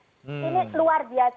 ini luar biasa